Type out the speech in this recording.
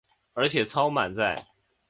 而且超满载